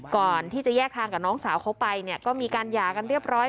ก่อนที่จะแยกทางกับน้องสาวเขาไปเนี่ยก็มีการหย่ากันเรียบร้อย